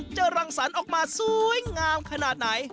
รังสรรค์ออกมาสวยงามขนาดไหน